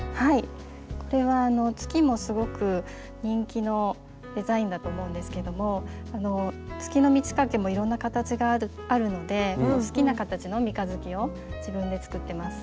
これは月もすごく人気のデザインだと思うんですけども月の満ち欠けもいろんな形があるので好きな形の三日月を自分で作ってます。